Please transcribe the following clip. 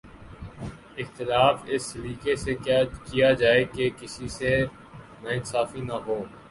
اختلاف اس سلیقے سے کیا جائے کہ کسی سے ناانصافی نہ ہو